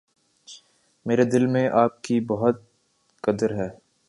میرے دل میں آپ کی بہت قدر ہے۔